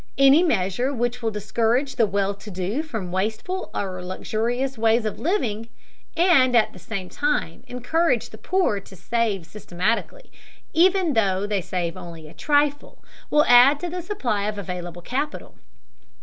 Any measure which will discourage the well to do from wasteful or luxurious ways of living, and at the same time encourage the poor to save systematically, even though they save only a trifle, will add to the supply of available capital.